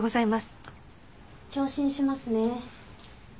聴診しますね。